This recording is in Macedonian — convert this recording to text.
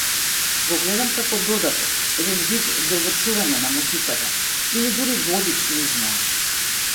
Го гледам како додаток, еден вид довршување на музиката, или дури водич низ неа.